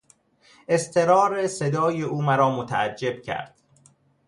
اضطرار صدای او مرا متعجب کرد.